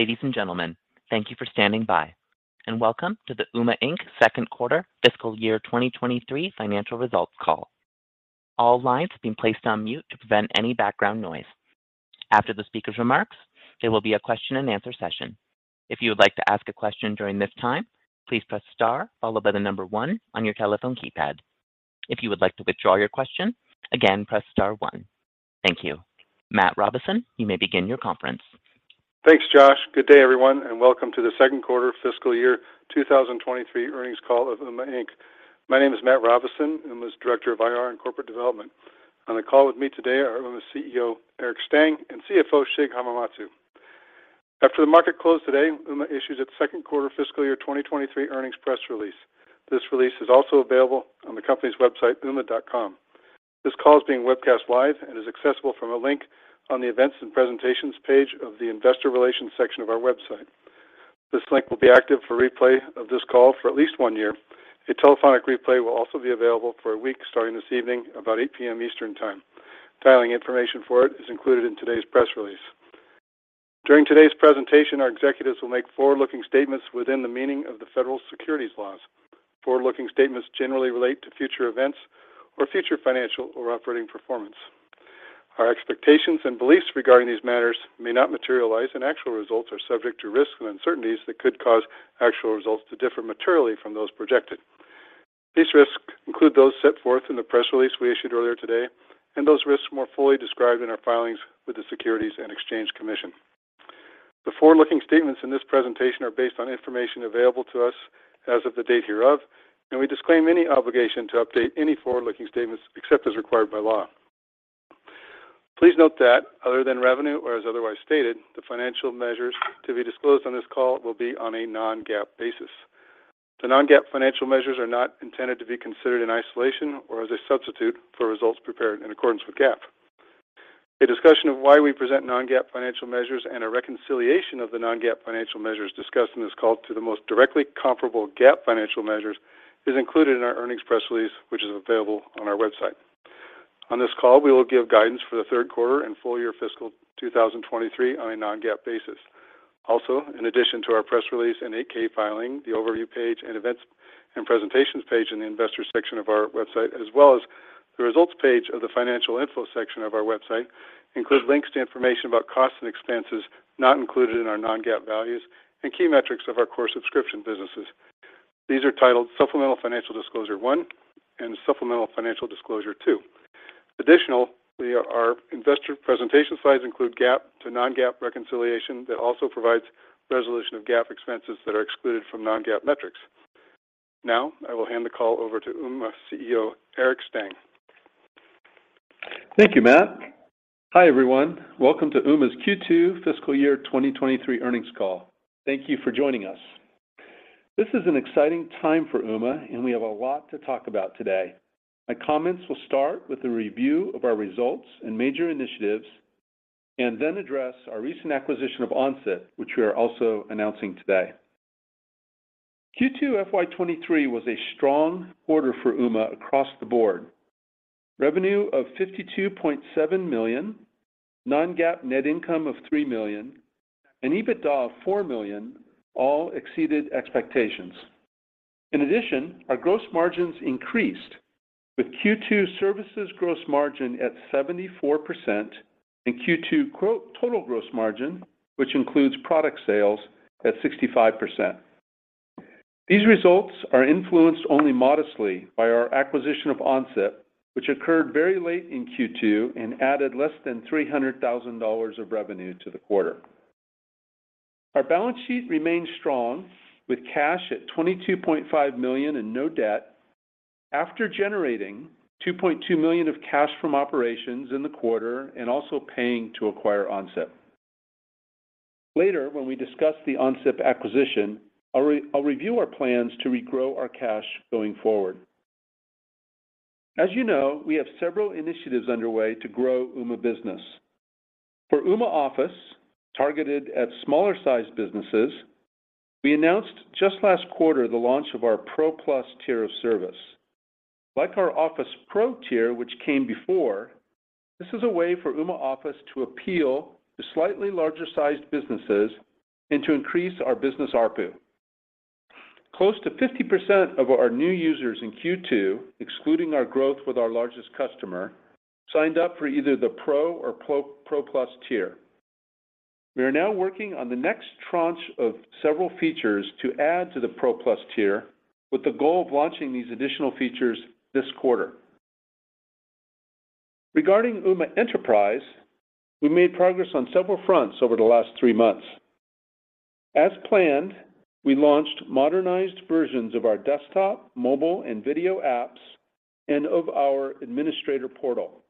Ladies and gentlemen, thank you for standing by, and welcome to the Ooma, Inc. second quarter fiscal year 2023 financial results call. All lines have been placed on mute to prevent any background noise. After the speaker's remarks, there will be a question and answer session. If you would like to ask a question during this time, please press star followed by the number one on your telephone keypad. If you would like to withdraw your question, again, press star one. Thank you. Matt Robison, you may begin your conference. Thanks, Josh. Good day, everyone, and welcome to the second quarter fiscal year 2023 earnings call of Ooma, Inc. My name is Matt Robison, Ooma's Director of IR and Corporate Development. On the call with me today are Ooma's CEO, Eric Stang, and CFO, Shig Hamamatsu. After the market closed today, Ooma issued its second quarter fiscal year 2023 earnings press release. This release is also available on the company's website, ooma.com. This call is being webcast live and is accessible from a link on the Events and Presentations page of the Investor Relations section of our website. This link will be active for replay of this call for at least one year. A telephonic replay will also be available for a week starting this evening about 8:00 P.M. Eastern Time. Dialing information for it is included in today's press release. During today's presentation, our executives will make forward-looking statements within the meaning of the federal securities laws. Forward-looking statements generally relate to future events or future financial or operating performance. Our expectations and beliefs regarding these matters may not materialize, and actual results are subject to risks and uncertainties that could cause actual results to differ materially from those projected. These risks include those set forth in the press release we issued earlier today and those risks more fully described in our filings with the Securities and Exchange Commission. The forward-looking statements in this presentation are based on information available to us as of the date hereof, and we disclaim any obligation to update any forward-looking statements except as required by law. Please note that other than revenue or as otherwise stated, the financial measures to be disclosed on this call will be on a non-GAAP basis. The non-GAAP financial measures are not intended to be considered in isolation or as a substitute for results prepared in accordance with GAAP. A discussion of why we present non-GAAP financial measures and a reconciliation of the non-GAAP financial measures discussed in this call to the most directly comparable GAAP financial measures is included in our earnings press release, which is available on our website. On this call, we will give guidance for the third quarter and full year fiscal 2023 on a non-GAAP basis. Also, in addition to our press release and 8-K filing, the Overview page and Events and Presentations page in the Investors section of our website, as well as the Results page of the Financial Info section of our website, include links to information about costs and expenses not included in our non-GAAP values and key metrics of our core subscription businesses. These are titled Supplemental Financial Disclosure one and Supplemental Financial Disclosure two. Additionally, our investor presentation slides include GAAP to non-GAAP reconciliation that also provides resolution of GAAP expenses that are excluded from non-GAAP metrics. Now, I will hand the call over to Ooma CEO, Eric Stang. Thank you, Matt. Hi, everyone. Welcome to Ooma's Q2 fiscal year 2023 earnings call. Thank you for joining us. This is an exciting time for Ooma, and we have a lot to talk about today. My comments will start with a review of our results and major initiatives and then address our recent acquisition of OnSIP, which we are also announcing today. Q2 FY 2023 was a strong quarter for Ooma across the board. Revenue of $52.7 million, non-GAAP net income of $3 million, and EBITDA of $4 million all exceeded expectations. In addition, our gross margins increased with Q2 services gross margin at 74% and Q2 total gross margin, which includes product sales, at 65%. These results are influenced only modestly by our acquisition of OnSIP, which occurred very late in Q2 and added less than $300,000 of revenue to the quarter. Our balance sheet remains strong with cash at $22.5 million and no debt after generating $2.2 million of cash from operations in the quarter and also paying to acquire OnSIP. Later, when we discuss the OnSIP acquisition, I'll review our plans to regrow our cash going forward. As you know, we have several initiatives underway to grow Ooma business. For Ooma Office, targeted at smaller-sized businesses, we announced just last quarter the launch of our Pro Plus tier of service. Like our Office Pro tier, which came before, this is a way for Ooma Office to appeal to slightly larger-sized businesses and to increase our business ARPU. Close to 50% of our new users in Q2, excluding our growth with our largest customer, signed up for either the Pro or Pro Plus tier. We are now working on the next tranche of several features to add to the Pro Plus tier with the goal of launching these additional features this quarter. Regarding Ooma Enterprise, we made progress on several fronts over the last three months. As planned, we launched modernized versions of our desktop, mobile, and video apps and of our administrator portal.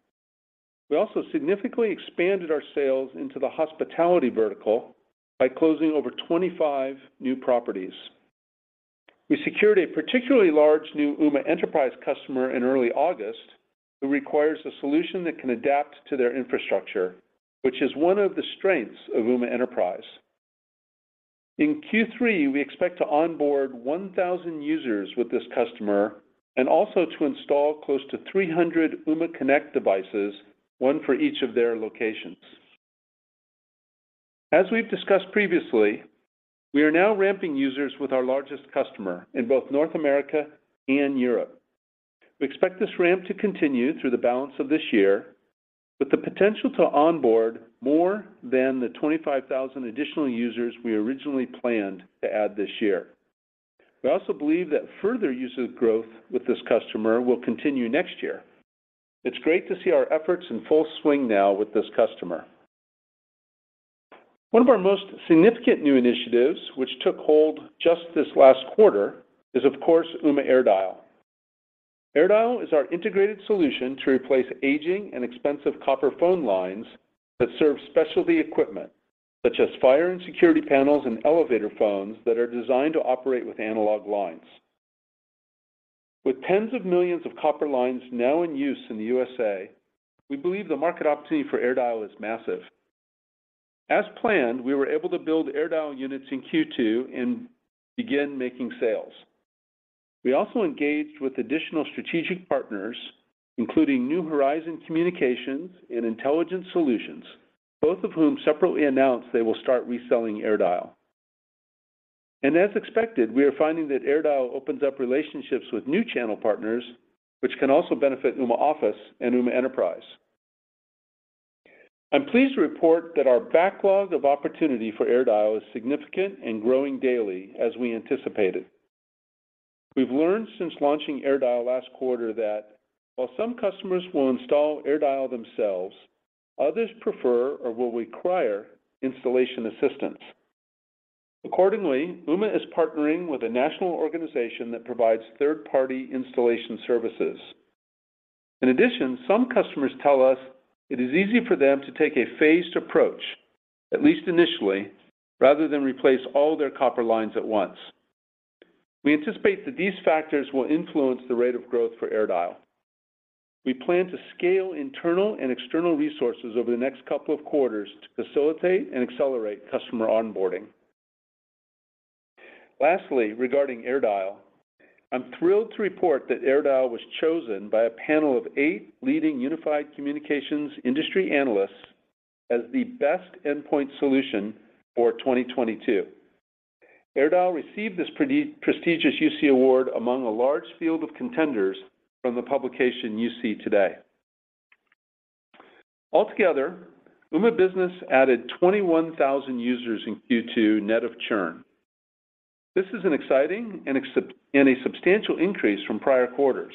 We also significantly expanded our sales into the hospitality vertical by closing over 25 new properties. We secured a particularly large new Ooma Enterprise customer in early August who requires a solution that can adapt to their infrastructure, which is one of the strengths of Ooma Enterprise. In Q3, we expect to onboard 1,000 users with this customer and also to install close to 300 Ooma Connect devices, one for each of their locations. As we've discussed previously, we are now ramping users with our largest customer in both North America and Europe. We expect this ramp to continue through the balance of this year, with the potential to onboard more than the 25,000 additional users we originally planned to add this year. We also believe that further user growth with this customer will continue next year. It's great to see our efforts in full swing now with this customer. One of our most significant new initiatives, which took hold just this last quarter, is of course, Ooma AirDial. AirDial is our integrated solution to replace aging and expensive copper phone lines that serve specialty equipment such as fire and security panels and elevator phones that are designed to operate with analog lines. With tens of millions of copper lines now in use in the USA, we believe the market opportunity for AirDial is massive. As planned, we were able to build AirDial units in Q2 and begin making sales. We also engaged with additional strategic partners, including New Horizon Communications and Intelligent Solutions, both of whom separately announced they will start reselling AirDial. As expected, we are finding that AirDial opens up relationships with new channel partners, which can also benefit Ooma Office and Ooma Enterprise. I'm pleased to report that our backlog of opportunity for AirDial is significant and growing daily as we anticipated. We've learned since launching AirDial last quarter that while some customers will install AirDial themselves, others prefer or will require installation assistance. Accordingly, Ooma is partnering with a national organization that provides third-party installation services. In addition, some customers tell us it is easy for them to take a phased approach, at least initially, rather than replace all their copper lines at once. We anticipate that these factors will influence the rate of growth for AirDial. We plan to scale internal and external resources over the next couple of quarters to facilitate and accelerate customer onboarding. Lastly, regarding AirDial, I'm thrilled to report that AirDial was chosen by a panel of eight leading unified communications industry analysts as the best endpoint solution for 2022. AirDial received this prestigious UC award among a large field of contenders from the publication UC Today. Altogether, Ooma Business added 21,000 users in Q2 net of churn. This is an exciting and substantial increase from prior quarters.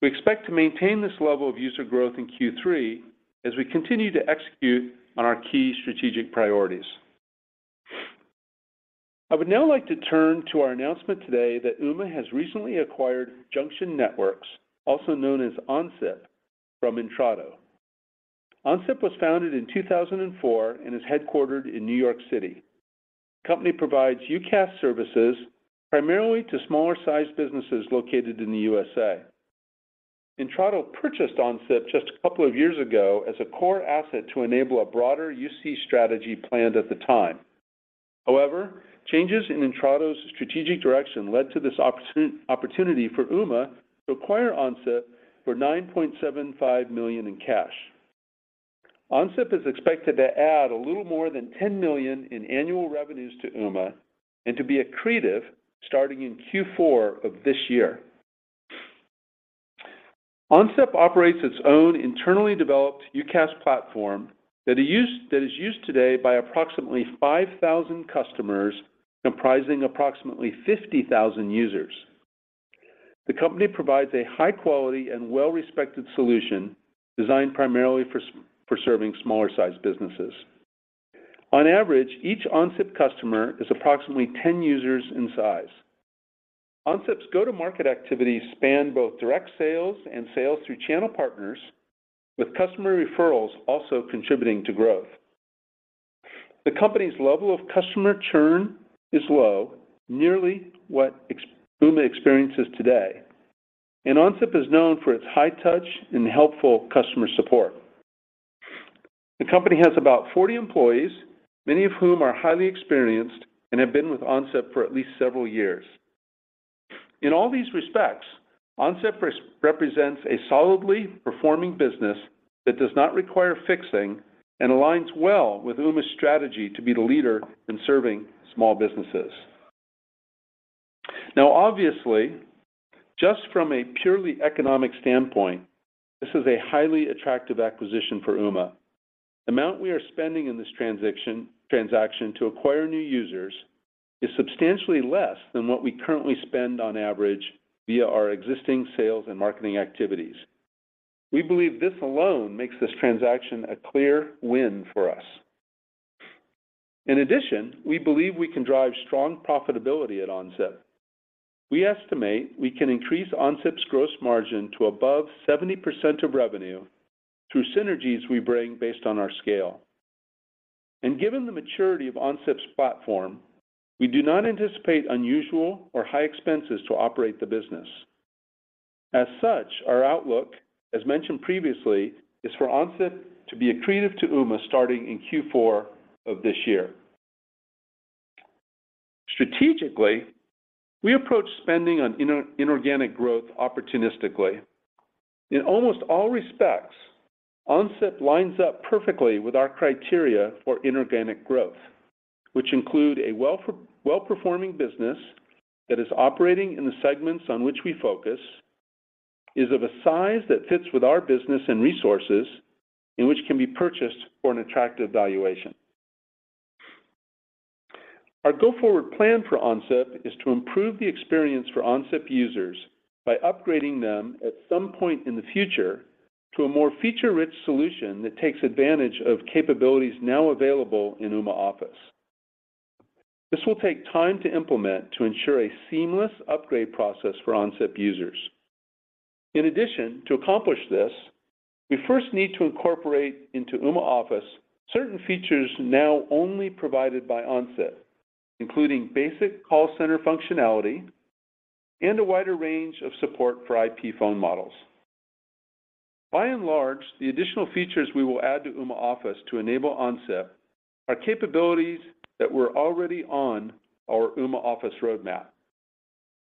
We expect to maintain this level of user growth in Q3 as we continue to execute on our key strategic priorities. I would now like to turn to our announcement today that Ooma has recently acquired Junction Networks, also known as OnSIP, from Intrado. OnSIP was founded in 2004 and is headquartered in New York City. The company provides UCaaS services primarily to smaller-sized businesses located in the USA. Intrado purchased OnSIP just a couple of years ago as a core asset to enable a broader UC strategy planned at the time. However, changes in Intrado's strategic direction led to this opportunity for Ooma to acquire OnSIP for $9.75 million in cash. OnSIP is expected to add a little more than $10 million in annual revenues to Ooma and to be accretive starting in Q4 of this year. OnSIP operates its own internally developed UCaaS platform that is used today by approximately 5,000 customers comprising approximately 50,000 users. The company provides a high quality and well-respected solution designed primarily for serving smaller sized businesses. On average, each OnSIP customer is approximately 10 users in size. OnSIP's go-to-market activities span both direct sales and sales through channel partners, with customer referrals also contributing to growth. The company's level of customer churn is low, nearly what Ooma experiences today, and OnSIP is known for its high touch and helpful customer support. The company has about 40 employees, many of whom are highly experienced and have been with OnSIP for at least several years. In all these respects, OnSIP represents a solidly performing business that does not require fixing and aligns well with Ooma's strategy to be the leader in serving small businesses. Now obviously, just from a purely economic standpoint, this is a highly attractive acquisition for Ooma. The amount we are spending in this transaction to acquire new users is substantially less than what we currently spend on average via our existing sales and marketing activities. We believe this alone makes this transaction a clear win for us. In addition, we believe we can drive strong profitability at OnSIP. We estimate we can increase OnSIP's gross margin to above 70% of revenue through synergies we bring based on our scale. Given the maturity of OnSIP's platform, we do not anticipate unusual or high expenses to operate the business. As such, our outlook, as mentioned previously, is for OnSIP to be accretive to Ooma starting in Q4 of this year. Strategically, we approach spending on inorganic growth opportunistically. In almost all respects, OnSIP lines up perfectly with our criteria for inorganic growth, which include a well-performing business that is operating in the segments on which we focus, is of a size that fits with our business and resources, and which can be purchased for an attractive valuation. Our go-forward plan for OnSIP is to improve the experience for OnSIP users by upgrading them at some point in the future to a more feature-rich solution that takes advantage of capabilities now available in Ooma Office. This will take time to implement to ensure a seamless upgrade process for OnSIP users. In addition, to accomplish this, we first need to incorporate into Ooma Office certain features now only provided by OnSIP, including basic call center functionality and a wider range of support for IP phone models. By and large, the additional features we will add to Ooma Office to enable OnSIP are capabilities that were already on our Ooma Office roadmap.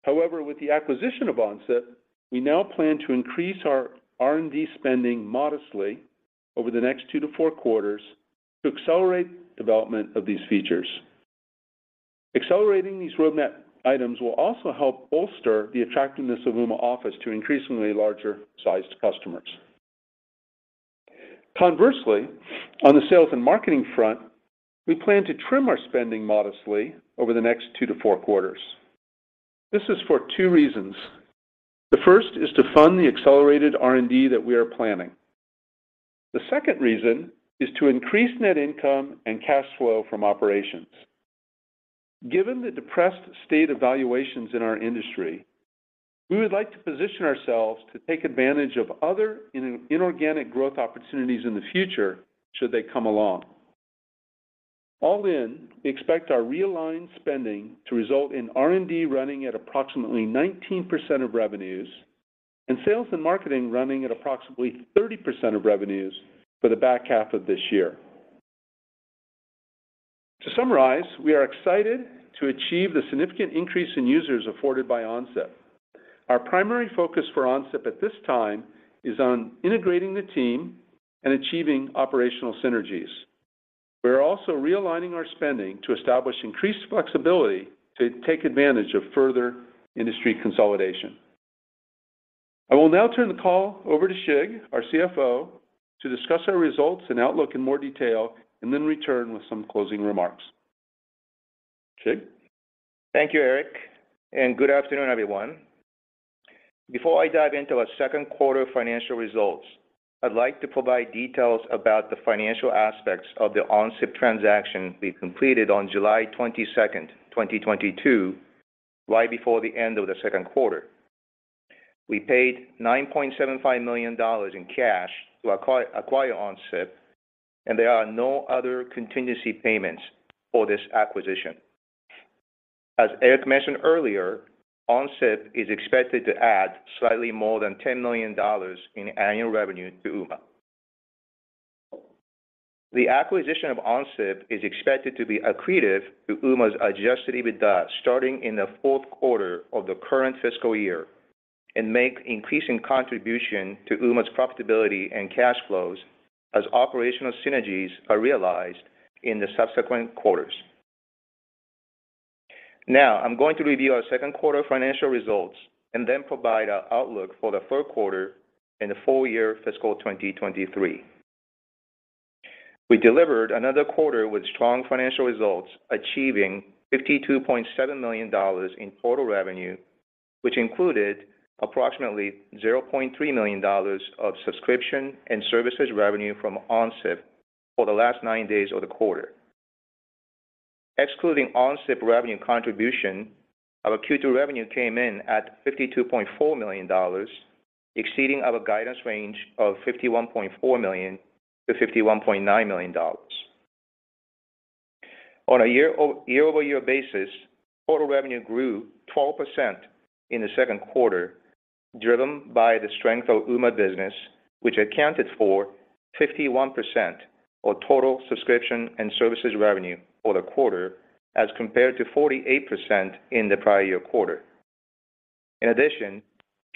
However, with the acquisition of OnSIP, we now plan to increase our R&D spending modestly over the next two to four quarters to accelerate development of these features. Accelerating these roadmap items will also help bolster the attractiveness of Ooma Office to increasingly larger-sized customers. Conversely, on the sales and marketing front, we plan to trim our spending modestly over the next two to four quarters. This is for two reasons. The first is to fund the accelerated R&D that we are planning. The second reason is to increase net income and cash flow from operations. Given the depressed state of valuations in our industry, we would like to position ourselves to take advantage of other inorganic growth opportunities in the future should they come along. All in, we expect our realigned spending to result in R&D running at approximately 19% of revenues and sales and marketing running at approximately 30% of revenues for the back half of this year. To summarize, we are excited to achieve the significant increase in users afforded by OnSIP. Our primary focus for OnSIP at this time is on integrating the team and achieving operational synergies. We are also realigning our spending to establish increased flexibility to take advantage of further industry consolidation. I will now turn the call over to Shig, our CFO, to discuss our results and outlook in more detail and then return with some closing remarks. Shig? Thank you, Eric, and good afternoon, everyone. Before I dive into our second quarter financial results, I'd like to provide details about the financial aspects of the OnSIP transaction we completed on July 22, 2022, right before the end of the second quarter. We paid $9.75 million in cash to acquire OnSIP, and there are no other contingency payments for this acquisition. As Eric mentioned earlier, OnSIP is expected to add slightly more than $10 million in annual revenue to Ooma. The acquisition of OnSIP is expected to be accretive to Ooma's adjusted EBITDA starting in the fourth quarter of the current fiscal year and make increasing contribution to Ooma's profitability and cash flows as operational synergies are realized in the subsequent quarters. Now, I'm going to review our second quarter financial results and then provide our outlook for the third quarter and the full year fiscal 2023. We delivered another quarter with strong financial results, achieving $52.7 million in total revenue, which included approximately $0.3 million of subscription and services revenue from OnSIP for the last nine days of the quarter. Excluding OnSIP revenue contribution, our Q2 revenue came in at $52.4 million, exceeding our guidance range of $51.4 million-$51.9 million. On a year-over-year basis, total revenue grew 12% in the second quarter, driven by the strength of Ooma business, which accounted for 51% of total subscription and services revenue for the quarter as compared to 48% in the prior year quarter. In addition,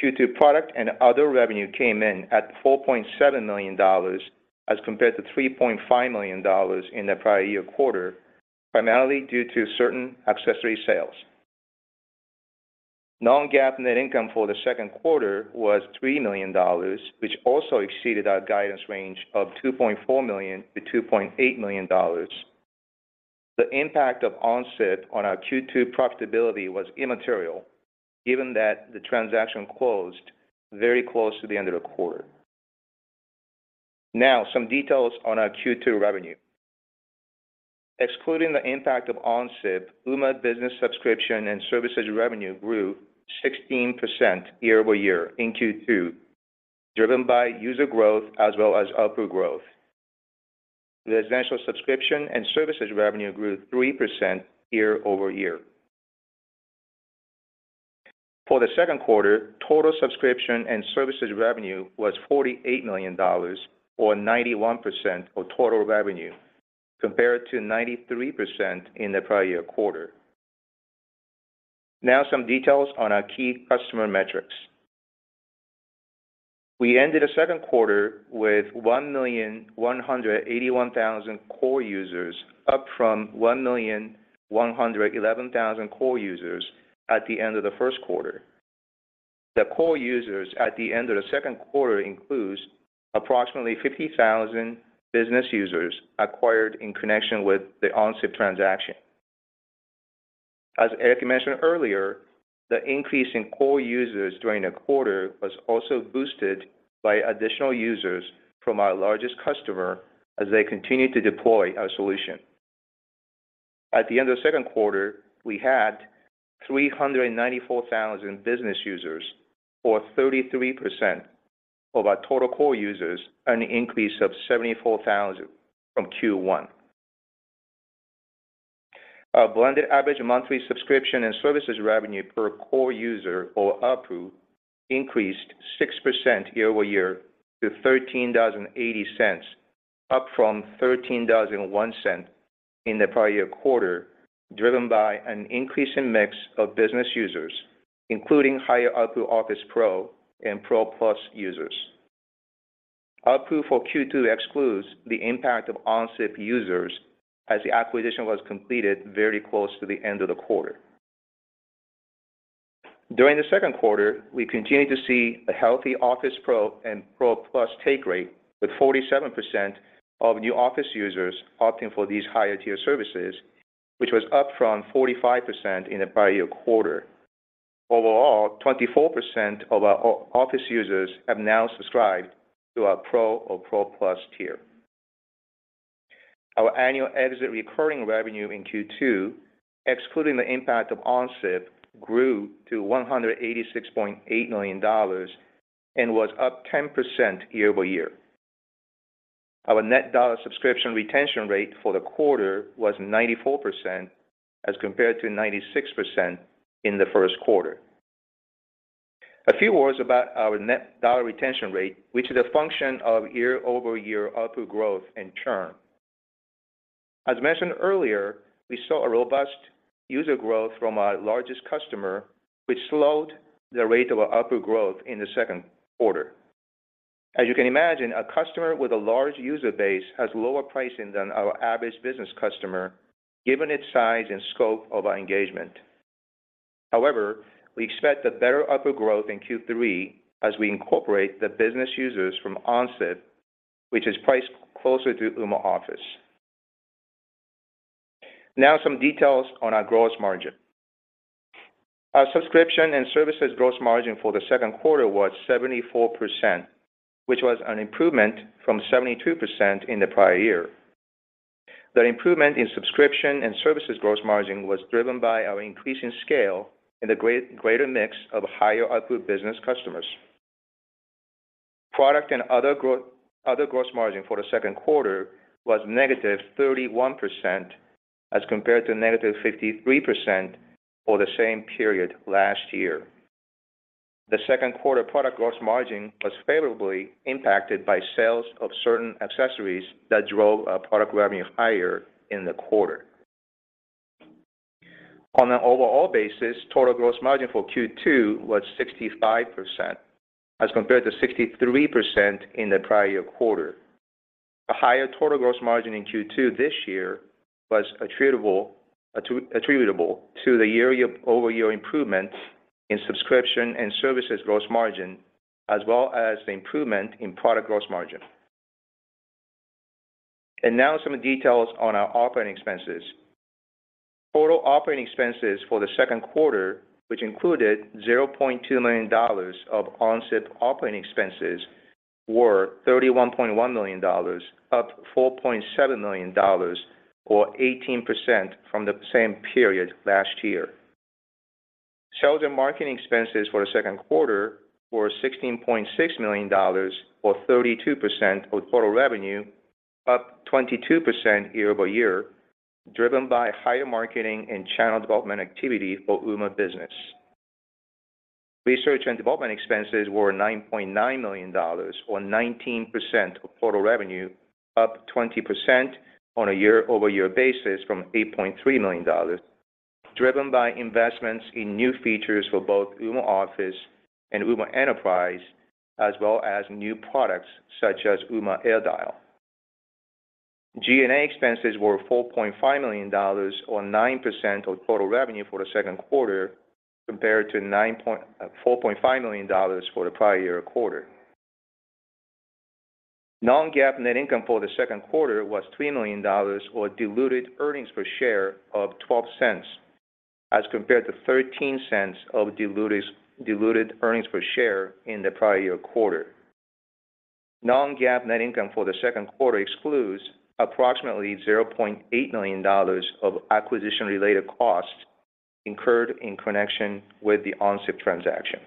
Q2 product and other revenue came in at $4.7 million as compared to $3.5 million in the prior year quarter, primarily due to certain accessory sales. Non-GAAP net income for the second quarter was $3 million, which also exceeded our guidance range of $2.4 million-$2.8 million. The impact of OnSIP on our Q2 profitability was immaterial, given that the transaction closed very close to the end of the quarter. Now, some details on our Q2 revenue. Excluding the impact of OnSIP, Ooma business subscription and services revenue grew 16% year-over-year in Q2, driven by user growth as well as ARPU growth. The essential subscription and services revenue grew 3% year-over-year. For the second quarter, total subscription and services revenue was $48 million or 91% of total revenue, compared to 93% in the prior year quarter. Now, some details on our key customer metrics. We ended the second quarter with 1,181,000 core users, up from 1,111,000 core users at the end of the first quarter. The core users at the end of the second quarter includes approximately 50,000 business users acquired in connection with the OnSIP transaction. As Eric mentioned earlier, the increase in core users during the quarter was also boosted by additional users from our largest customer as they continue to deploy our solution. At the end of the second quarter, we had 394,000 business users, or 33% of our total core users, an increase of 74,000 from Q1. Our blended average monthly subscription and services revenue per core user or ARPU increased 6% year-over-year to $13.80, up from $13.01 in the prior year quarter, driven by an increase in mix of business users, including higher ARPU Office Pro and Pro Plus users. ARPU for Q2 excludes the impact of OnSIP users as the acquisition was completed very close to the end of the quarter. During the second quarter, we continued to see a healthy Office Pro and Pro Plus take rate with 47% of new Office users opting for these higher tier services, which was up from 45% in the prior year quarter. Overall, 24% of our Ooma Office users have now subscribed to our Pro or Pro Plus tier. Our annual exit recurring revenue in Q2, excluding the impact of OnSIP, grew to $186.8 million and was up 10% year-over-year. Our net dollar subscription retention rate for the quarter was 94% as compared to 96% in the first quarter. A few words about our net dollar retention rate, which is a function of year-over-year ARPU growth and churn. As mentioned earlier, we saw a robust user growth from our largest customer, which slowed the rate of our ARPU growth in the second quarter. As you can imagine, a customer with a large user base has lower pricing than our average business customer, given its size and scope of our engagement. However, we expect a better ARPU growth in Q3 as we incorporate the business users from OnSIP, which is priced closer to Ooma Office. Now, some details on our gross margin. Our subscription and services gross margin for the second quarter was 74%, which was an improvement from 72% in the prior year. The improvement in subscription and services gross margin was driven by our increasing scale and the greater mix of higher ARPU business customers. Product and other gross margin for the second quarter was -31% as compared to -53% for the same period last year. The second quarter product gross margin was favorably impacted by sales of certain accessories that drove our product revenue higher in the quarter. On an overall basis, total gross margin for Q2 was 65% as compared to 63% in the prior year quarter. A higher total gross margin in Q2 this year was attributable to the year-over-year improvements in subscription and services gross margin, as well as the improvement in product gross margin. Now some details on our operating expenses. Total operating expenses for the second quarter, which included $0.2 million of OnSIP operating expenses, were $31.1 million, up $4.7 million or 18% from the same period last year. Sales and marketing expenses for the second quarter were $16.6 million or 32% of total revenue, up 22% year-over-year, driven by higher marketing and channel development activity for Ooma Business. Research and development expenses were $9.9 million or 19% of total revenue, up 20% on a year-over-year basis from $8.3 million, driven by investments in new features for both Ooma Office and Ooma Enterprise, as well as new products such as Ooma AirDial. G&A expenses were $4.5 million or 9% of total revenue for the second quarter, compared to $4.5 million for the prior year quarter. Non-GAAP net income for the second quarter was $3 million or diluted earnings per share of $0.12, as compared to $0.13 of diluted earnings per share in the prior year quarter. non-GAAP net income for the second quarter excludes approximately 0.8 million of acquisition-related costs incurred in connection with the OnSIP transaction.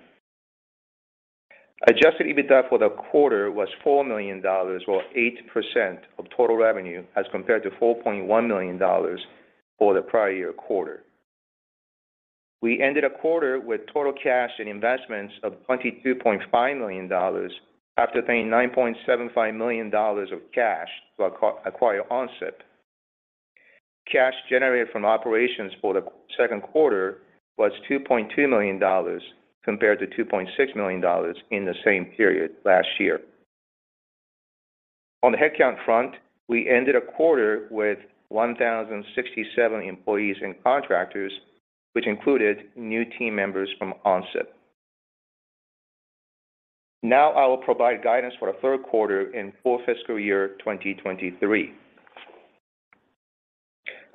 Adjusted EBITDA for the quarter was $4 million, or 8% of total revenue, as compared to $4.1 million for the prior year quarter. We ended the quarter with total cash and investments of $22.5 million after paying $9.75 million of cash to acquire OnSIP. Cash generated from operations for the second quarter was $2.2 million compared to $2.6 million in the same period last year. On the headcount front, we ended the quarter with 1,067 employees and contractors, which included new team members from OnSIP. Now I will provide guidance for the third quarter and full fiscal year 2023.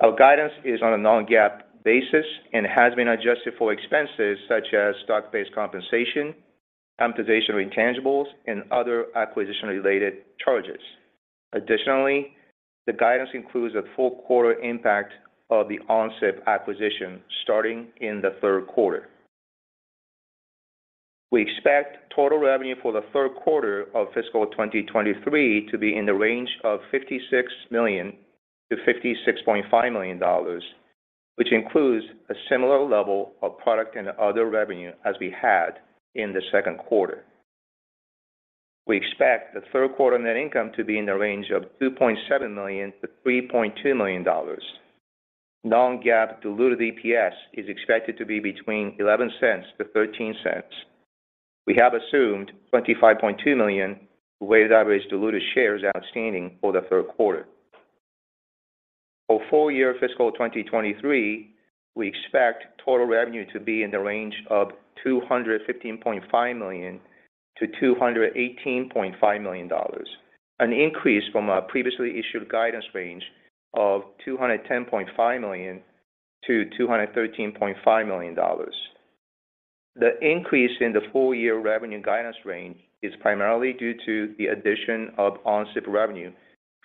Our guidance is on a non-GAAP basis and has been adjusted for expenses such as stock-based compensation, amortization of intangibles, and other acquisition-related charges. Additionally, the guidance includes the full quarter impact of the OnSIP acquisition starting in the third quarter. We expect total revenue for the third quarter of fiscal 2023 to be in the range of $56 million-$56.5 million, which includes a similar level of product and other revenue as we had in the second quarter. We expect the third quarter net income to be in the range of $2.7 million-$3.2 million. Non-GAAP diluted EPS is expected to be between $0.11-$0.13. We have assumed 25.2 million weighted average diluted shares outstanding for the third quarter. For full year fiscal 2023, we expect total revenue to be in the range of $215.5 million-$218.5 million, an increase from our previously issued guidance range of $210.5 million-$213.5 million. The increase in the full year revenue guidance range is primarily due to the addition of OnSIP revenue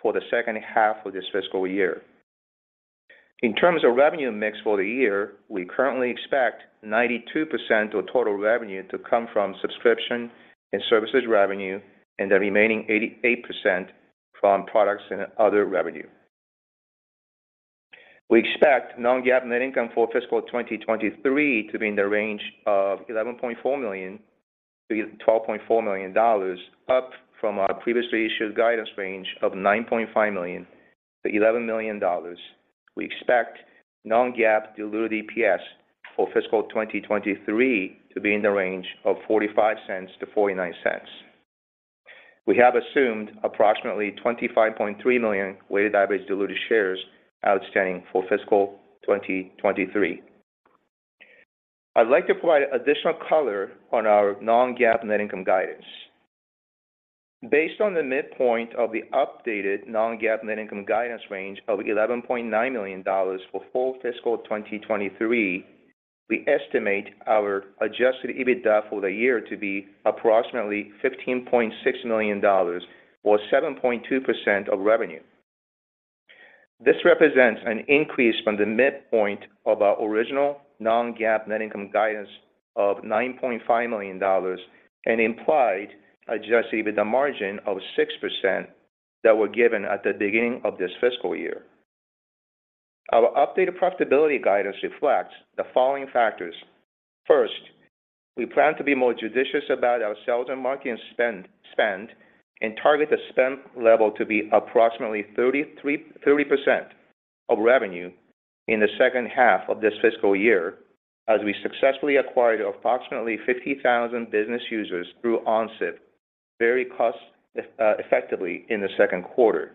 for the second half of this fiscal year. In terms of revenue mix for the year, we currently expect 92% of total revenue to come from subscription and services revenue, and the remaining 8% from products and other revenue. We expect non-GAAP net income for fiscal 2023 to be in the range of $11.4 million-$12.4 million, up from our previously issued guidance range of $9.5 million-$11 million. We expect non-GAAP diluted EPS for fiscal 2023 to be in the range of $0.45-$0.49. We have assumed approximately 25.3 million weighted average diluted shares outstanding for fiscal 2023. I'd like to provide additional color on our non-GAAP net income guidance. Based on the midpoint of the updated non-GAAP net income guidance range of $11.9 million for full fiscal 2023, we estimate our adjusted EBITDA for the year to be approximately $15.6 million, or 7.2% of revenue. This represents an increase from the midpoint of our original non-GAAP net income guidance of $9.5 million and implied adjusted EBITDA margin of 6% that were given at the beginning of this fiscal year. Our updated profitability guidance reflects the following factors. First, we plan to be more judicious about our sales and marketing spend and target the spend level to be approximately 33%-30% of revenue in the second half of this fiscal year as we successfully acquired approximately 50,000 business users through OnSIP very cost effectively in the second quarter.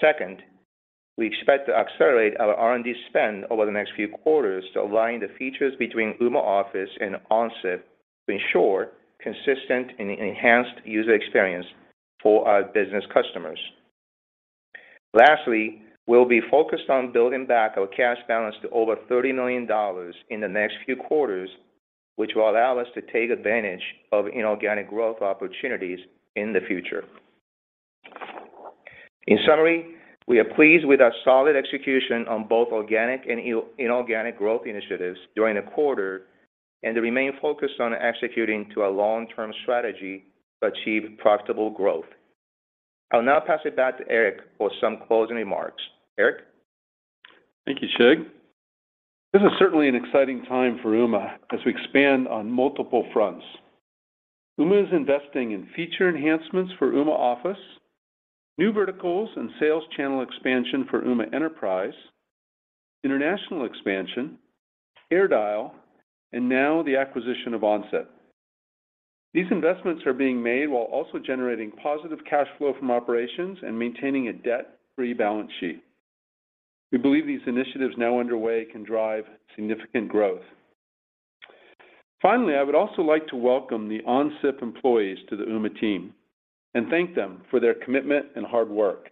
Second, we expect to accelerate our R&D spend over the next few quarters to align the features between Ooma Office and OnSIP to ensure consistent and enhanced user experience for our business customers. Lastly, we'll be focused on building back our cash balance to over $30 million in the next few quarters, which will allow us to take advantage of inorganic growth opportunities in the future. In summary, we are pleased with our solid execution on both organic and inorganic growth initiatives during the quarter and remain focused on executing to our long-term strategy to achieve profitable growth. I'll now pass it back to Eric for some closing remarks. Eric? Thank you, Shig. This is certainly an exciting time for Ooma as we expand on multiple fronts. Ooma is investing in feature enhancements for Ooma Office, new verticals and sales channel expansion for Ooma Enterprise, international expansion, AirDial, and now the acquisition of OnSIP. These investments are being made while also generating positive cash flow from operations and maintaining a debt-free balance sheet. We believe these initiatives now underway can drive significant growth. Finally, I would also like to welcome the OnSIP employees to the Ooma team and thank them for their commitment and hard work.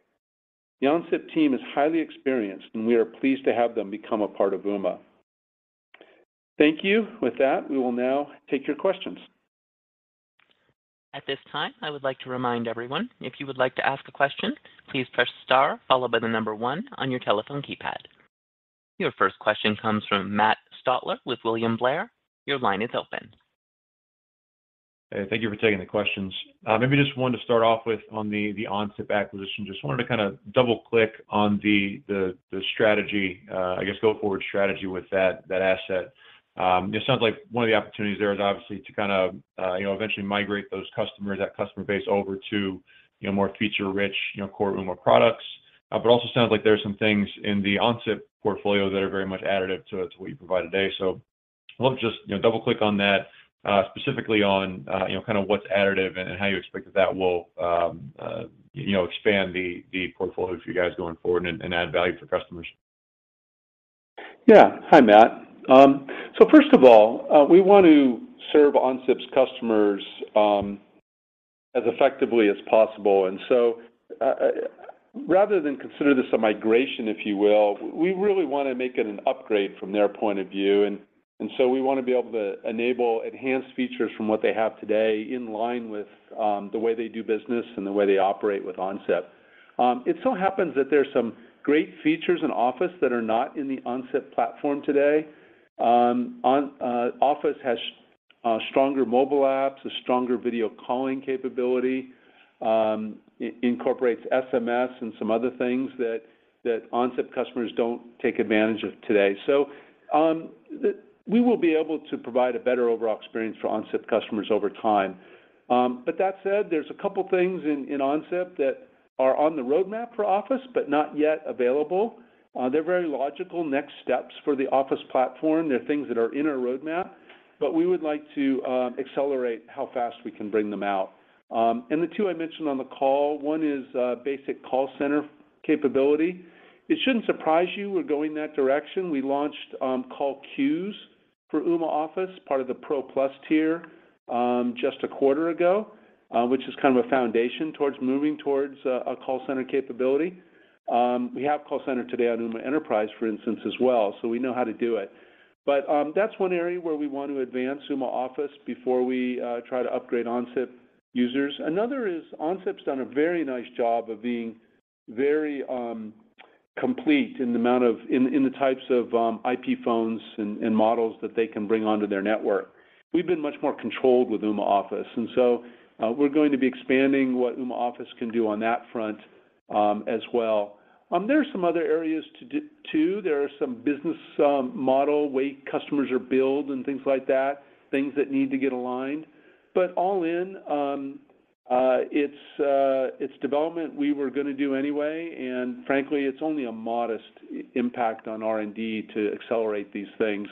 The OnSIP team is highly experienced, and we are pleased to have them become a part of Ooma. Thank you. With that, we will now take your questions. At this time, I would like to remind everyone if you would like to ask a question, please press star followed by the number one on your telephone keypad. Your first question comes from Matt Stotler with William Blair. Your line is open. Hey, thank you for taking the questions. Maybe just wanted to start off with on the OnSIP acquisition, just wanted to double-click on the strategy, I guess go forward strategy with that asset. It sounds like one of the opportunities there is obviously to kind of, you know, eventually migrate those customers, that customer base over to, you know, more feature-rich, you know, core Ooma products. But also sounds like there are some things in the OnSIP portfolio that are very much additive to what you provide today. Love to just, you know, double-click on that, specifically on, you know, kind of what's additive and how you expect that will, you know, expand the portfolio for you guys going forward and add value for customers. Yeah. Hi, Matt. First of all, we want to serve OnSIP's customers as effectively as possible. Rather than consider this a migration, if you will, we really wanna make it an upgrade from their point of view. We wanna be able to enable enhanced features from what they have today in line with the way they do business and the way they operate with OnSIP. It so happens that there's some great features in Office that are not in the OnSIP platform today. Office has stronger mobile apps, a stronger video calling capability, it incorporates SMS and some other things that OnSIP customers don't take advantage of today. We will be able to provide a better overall experience for OnSIP customers over time. That said, there's a couple things in OnSIP that are on the roadmap for Office but not yet available. They're very logical next steps for the Office platform. They're things that are in our roadmap, but we would like to accelerate how fast we can bring them out. The two I mentioned on the call, one is basic call center capability. It shouldn't surprise you we're going that direction. We launched call queues for Ooma Office, part of the Pro Plus tier, just a quarter ago, which is kind of a foundation towards moving towards a call center capability. We have call center today on Ooma Enterprise, for instance, as well, so we know how to do it. That's one area where we want to advance Ooma Office before we try to upgrade OnSIP users. Another is OnSIP's done a very nice job of being very complete in the types of IP phones and models that they can bring onto their network. We've been much more controlled with Ooma Office, and so we're going to be expanding what Ooma Office can do on that front, as well. There are some other areas too. There are some business model way customers are billed and things like that, things that need to get aligned. All in, it's development we were gonna do anyway, and frankly, it's only a modest impact on R&D to accelerate these things.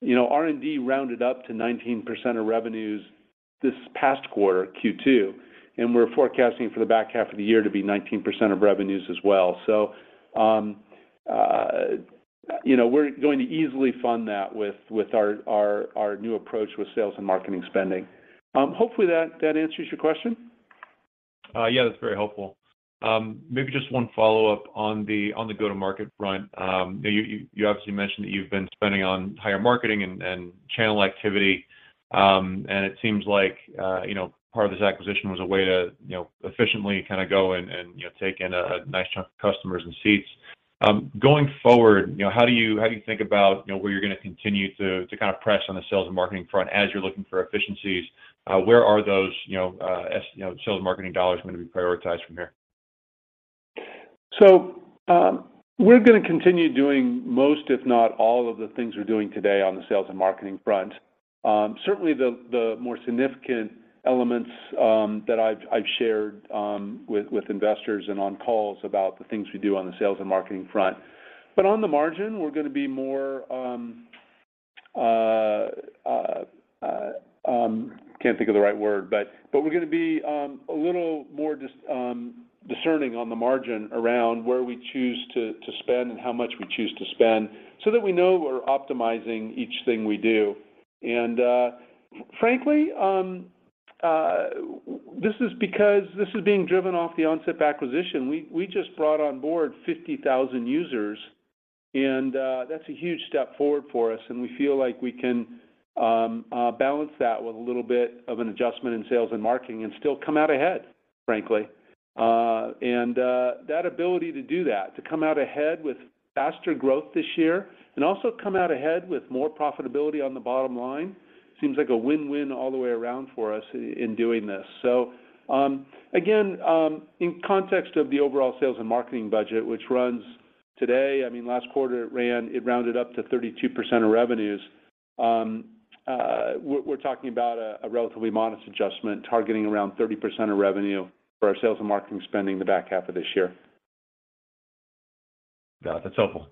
You know, R&D rounded up to 19% of revenues this past quarter, Q2, and we're forecasting for the back half of the year to be 19% of revenues as well. We're going to easily fund that with our new approach with sales and marketing spending. Hopefully that answers your question. Yeah, that's very helpful. Maybe just one follow-up on the go-to-market front. You obviously mentioned that you've been spending on higher marketing and channel activity. And it seems like you know, part of this acquisition was a way to you know, efficiently kinda go and you know, take in a nice chunk of customers and seats. Going forward, you know, how do you think about you know, where you're gonna continue to kind of press on the sales and marketing front as you're looking for efficiencies? Where are those you know, sales and marketing dollars gonna be prioritized from here? We're gonna continue doing most, if not all, of the things we're doing today on the sales and marketing front. Certainly the more significant elements that I've shared with investors and on calls about the things we do on the sales and marketing front. On the margin, we're gonna be a little more discerning on the margin around where we choose to spend and how much we choose to spend so that we know we're optimizing each thing we do. Frankly, this is because it's being driven off the OnSIP acquisition. We just brought on board 50,000 users, and that's a huge step forward for us, and we feel like we can balance that with a little bit of an adjustment in sales and marketing and still come out ahead, frankly. That ability to do that, to come out ahead with faster growth this year and also come out ahead with more profitability on the bottom line seems like a win-win all the way around for us in doing this. Again, in context of the overall sales and marketing budget, which runs today, I mean, last quarter it ran, it rounded up to 32% of revenues, we're talking about a relatively modest adjustment targeting around 30% of revenue for our sales and marketing spending the back half of this year. Got it. That's helpful.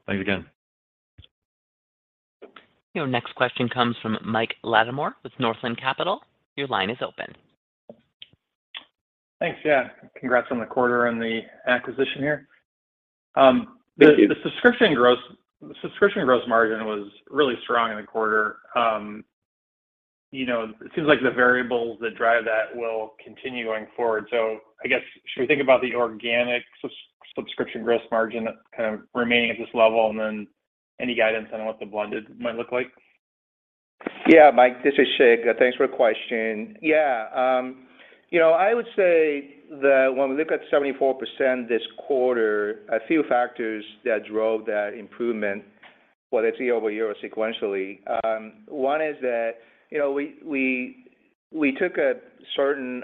Thanks again. Your next question comes from Mike Latimore with Northland Capital Markets. Your line is open. Thanks. Yeah. Congrats on the quarter and the acquisition here. Thank you. The subscription gross margin was really strong in the quarter. You know, it seems like the variables that drive that will continue going forward. I guess, should we think about the organic subscription gross margin kind of remaining at this level, and then any guidance on what the blended might look like? Yeah, Mike, this is Shig. Thanks for question. Yeah, you know, I would say that when we look at 74% this quarter, a few factors that drove that improvement, whether it's year-over-year or sequentially, one is that, you know, we took a certain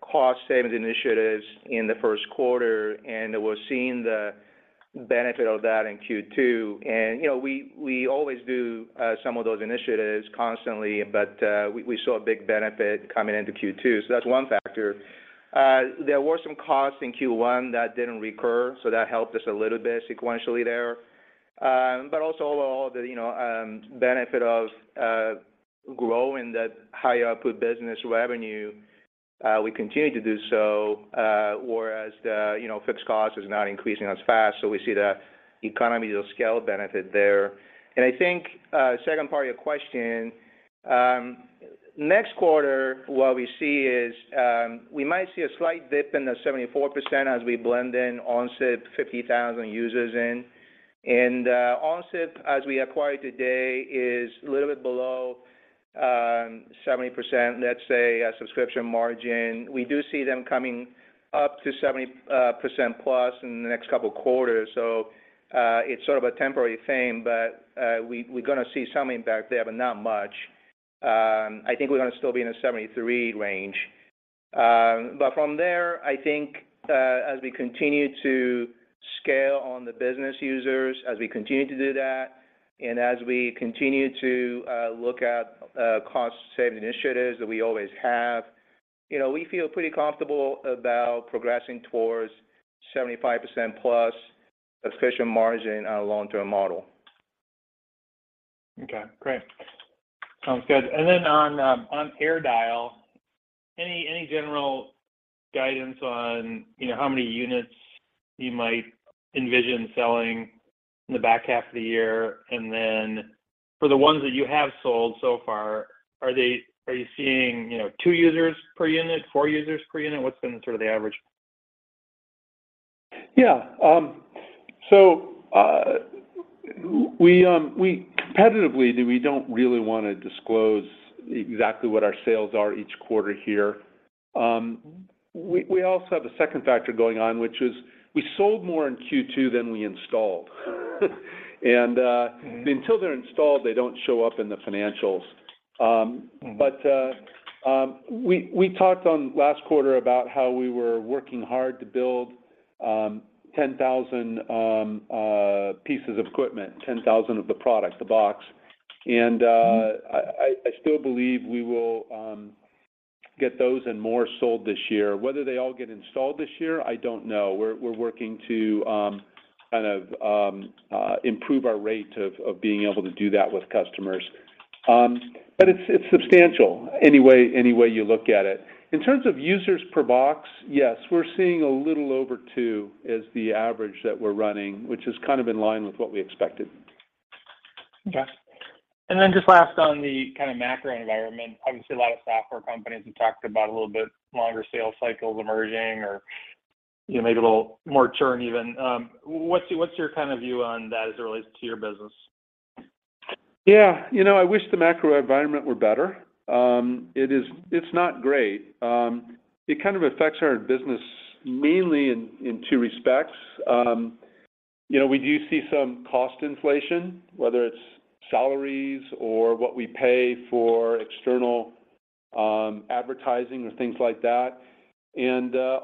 cost savings initiatives in the first quarter, and we're seeing the benefit of that in Q2. You know, we always do some of those initiatives constantly, but we saw a big benefit coming into Q2, so that's one factor. There were some costs in Q1 that didn't recur, so that helped us a little bit sequentially there. also all the, you know, benefit of growing that high-output business revenue, we continue to do so, whereas the, you know, fixed cost is not increasing as fast, so we see the economies of scale benefit there. I think second part of your question, next quarter, what we see is we might see a slight dip in the 74% as we blend in OnSIP 50,000 users in. OnSIP, as we acquired today, is a little bit below 70%, let's say, subscription margin. We do see them coming up to 70% plus in the next couple quarters. It's sort of a temporary thing, but we're gonna see some impact there, but not much. I think we're gonna still be in the 73% range. From there, I think, as we continue to scale on the business users, as we continue to do that, and as we continue to look at cost-saving initiatives that we always have, you know, we feel pretty comfortable about progressing towards 75%+ subscription margin on a long-term model. Okay, great. Sounds good. Then on AirDial, any general guidance on, you know, how many units you might envision selling in the back half of the year? Then for the ones that you have sold so far, are you seeing, you know, two users per unit, four users per unit? What's been sort of the average? Yeah. Competitively, we don't really wanna disclose exactly what our sales are each quarter here. We also have a second factor going on, which is we sold more in Q2 than we installed. Mm-hmm Until they're installed, they don't show up in the financials. Mm-hmm We talked last quarter about how we were working hard to build 10,000 pieces of equipment, 10,000 of the product, the box. Mm-hmm I still believe we will get those and more sold this year. Whether they all get installed this year, I don't know. We're working to kind of improve our rate of being able to do that with customers. It's substantial, any way you look at it. In terms of users per box, yes, we're seeing a little over two as the average that we're running, which is kind of in line with what we expected. Okay. Just last on the kind of macro environment, obviously, a lot of software companies have talked about a little bit longer sales cycles emerging or, you know, maybe a little more churn even. What's your kind of view on that as it relates to your business? Yeah. You know, I wish the macro environment were better. It is. It's not great. It kind of affects our business mainly in two respects. You know, we do see some cost inflation, whether it's salaries or what we pay for external advertising or things like that.